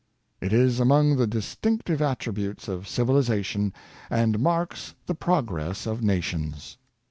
It is among the distinctive attributes of civili zation, and marks the progress of nations.